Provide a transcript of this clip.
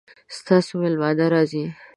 ستاسو میلمانه راځي؟